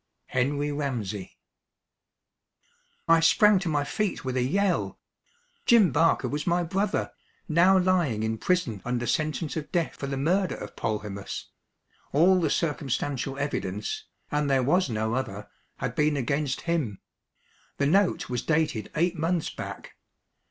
HENRY RAMSEY. I sprang to my feet with a yell. Jim Barker was my brother, now lying in prison under sentence of death for the murder of Polhemus; all the circumstantial evidence, and there was no other, had been against him. The note was dated eight months back.